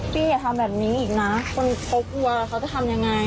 อย่าทำแบบนี้อีกนะคนเขากลัวเขาจะทำยังไง